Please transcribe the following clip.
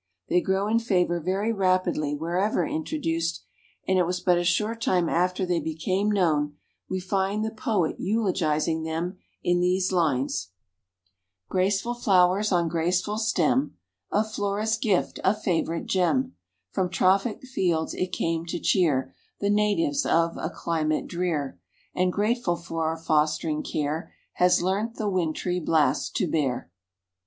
They grow in favor very rapidly wherever introduced, and it was but a short time after they became known we find the Poet eulogizing them in these lines "Graceful flowers on graceful stem, Of Flora's gift a favorite gem; From tropic fields it came to cheer, The natives of a climate drear; And grateful for our fostering care, Has learnt the wintry blast to bear."